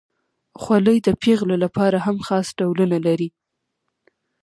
خولۍ د پیغلو لپاره هم خاص ډولونه لري.